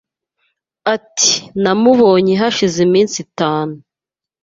Ati: "Namubonye hashize iminsi itanu" .